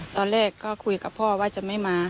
ตอนแรกก็คุยกับพ่อว่าจะไม่มา